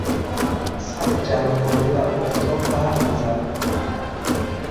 سطح جلا خورده در آفتاب برق میزد.